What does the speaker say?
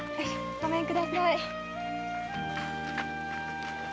ごめんください。